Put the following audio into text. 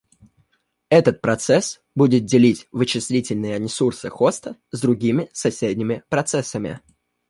Этот процесс будет делить вычислительные ресурсы хоста с другими соседними процессами